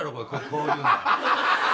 こういうの。